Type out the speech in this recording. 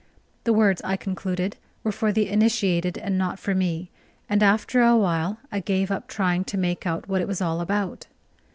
The words, I concluded, were for the initiated, and not for me, and after a while I gave up trying to make out what it was all about.